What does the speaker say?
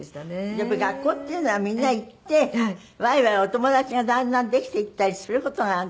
やっぱり学校っていうのはみんな行ってワイワイお友達がだんだんできていったりする事がすてきなんですからね。